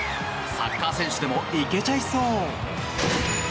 サッカー選手でもいけちゃいそう。